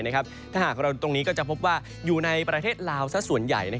ถ้าหากเราตรงนี้ก็จะพบว่าอยู่ในประเทศลาวซะส่วนใหญ่